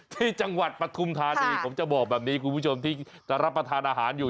ที่จังหวัดประทุมธาตุเองผมจะบอกแบบนี้คุณผู้ชมที่รับประทานอาหารอยู่